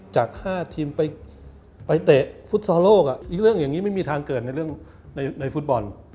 จาก๕ทีมไปเตะฟุตซอลโลกอีกเรื่องอย่างนี้ไม่มีทางเกิดในเรื่องในฟุตบอล